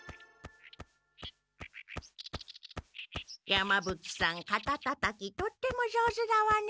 山ぶ鬼さんかたたたきとっても上手だわね。